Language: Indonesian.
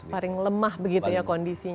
paling lemah begitu ya kondisinya